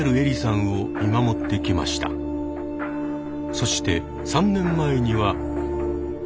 そして３年前には。